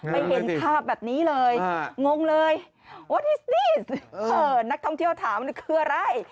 ไม่เห็นภาพแบบนี้เลยงงเลยนักท่องเที่ยวถามนี่คืออะไร